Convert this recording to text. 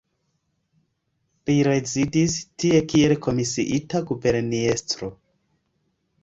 Li rezidis tie kiel komisiita guberniestro.